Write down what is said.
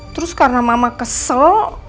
terus karena mama kesel